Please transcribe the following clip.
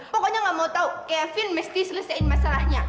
pokoknya gak mau tau kevin mesti selesaikan masalahnya